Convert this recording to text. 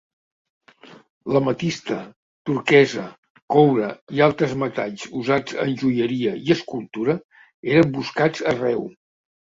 L'ametista, turquesa, coure i altres metalls usats en joieria i escultura eren buscats arreu.